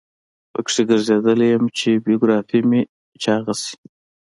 په کې ګرځیدلی یم چې بیوګرافي مې چاقه شي.